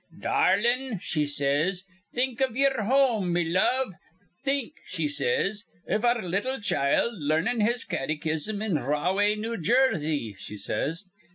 'Darlin'' she says, 'think iv ye'er home, me love. Think,' she says, 'iv our little child larnin' his caddychism in Rahway, New Jersey,' she says.